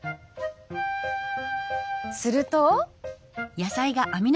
すると。